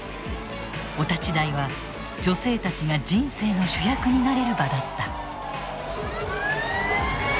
お立ち台は女性たちが人生の主役になれる場だった。